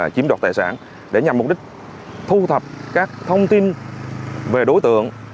chiếm đoạt tài sản để nhằm mục đích thu thập các thông tin về đối tượng